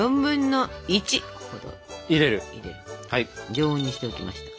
常温にしておきましたから。